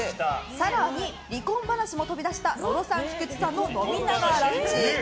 更に、離婚話も飛び出した野呂さん菊地さんの飲みながランチ！